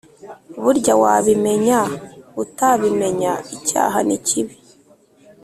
burya wabimenya utabimenya icyaha nikibi